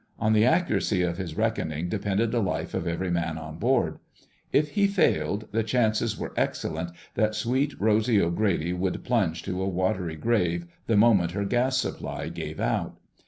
On the accuracy of his reckoning depended the life of every man on board. If he failed, the chances were excellent that Sweet Rosy O'Grady would plunge to a watery grave the moment her gas supply gave out.